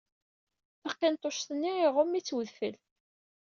Taqinṭuct-nni iɣumm-itt udfel.